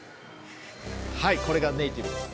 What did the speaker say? これがネーティブです。